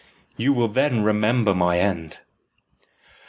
You will then remember my end."